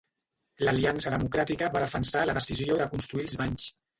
L'Aliança Democràtica va defensar la decisió de construir els banys.